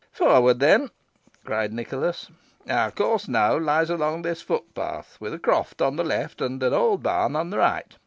"Forward, then," cried Nicholas. "Our course now lies along this footpath, with a croft on the left, and an old barn on the right.